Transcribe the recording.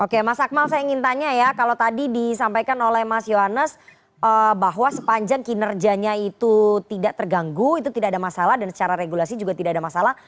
oke mas akmal saya ingin tanya ya kalau tadi disampaikan oleh mas yohanes bahwa sepanjang kinerjanya itu tidak terganggu itu tidak ada masalah dan secara regulasi juga tidak ada masalah